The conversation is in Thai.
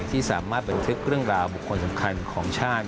ที่สามารถบันทึกเรื่องราวบุคคลสำคัญของชาติ